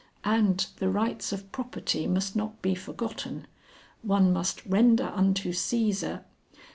And the rights of property must not be forgotten. One must render unto Cæsar....